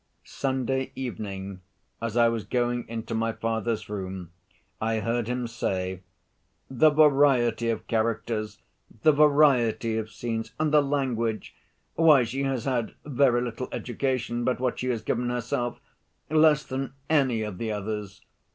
Sunday evening, as I was going into my father's room, I heard him say, "The variety of characters the variety of scenes and the language why, she has had very little education but what she has given herself less than any of the others!"